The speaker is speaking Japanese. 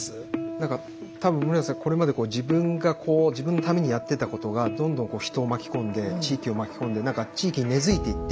なんか多分室屋さんこれまで自分のためにやってたことがどんどん人を巻き込んで地域を巻き込んでなんか地域に根づいていって。